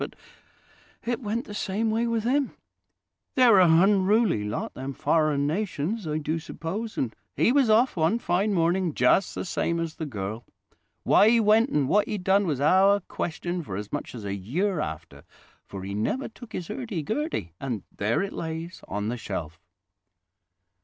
But it went the same way with him. They're a hunruly lot, them foreign nations, I do suppose, and he was off one fine morning just the same as the girl. Why he went and what he done was our question for as much as a year after; for he never took his 'urdy gurdy, and there it lays on the shelf."